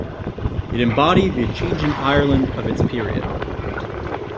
It embodied the changing Ireland of its period.